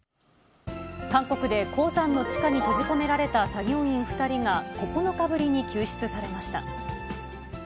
韓国で鉱山の地下に閉じ込められた作業員２人が９日ぶりに救出されました。